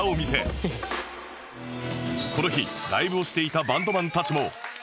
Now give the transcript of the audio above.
この日ライブをしていたバンドマンたちも